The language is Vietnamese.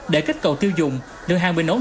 để kích cầu tiêu dùng đường hàng bình ống